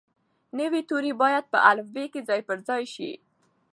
نوي توري باید په الفبې کې ځای پر ځای شي.